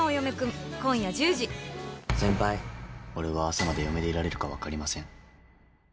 先輩、俺は朝まで嫁でいられるか分かりません。